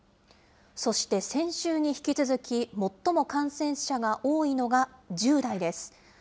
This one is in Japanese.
そして先週に引き続き、最も感染者が多いのが、１０代です。